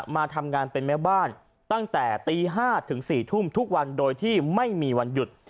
มาทำงานเป็นแม่บ้านตั้งแต่ตี๕ถึง๔ทุ่มทุกวันโดยที่ไม่มีวันหยุด